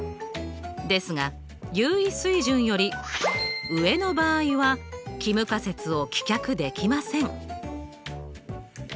ですが有意水準より上の場合は帰無仮説を棄却できません。